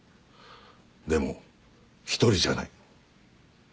でも一人じゃない。